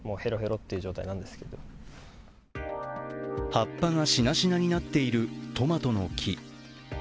葉っぱがしなしなになっているトマトの木。